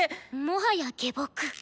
もはや下僕。